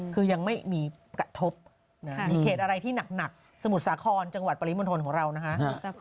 คือยังไม่มีกระทบมีเขตอะไรที่หนักสมุทรสาครจังหวัดปริมณฑลของเรานะคะ